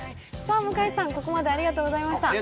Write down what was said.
向井さん、ここまでありがとうございました。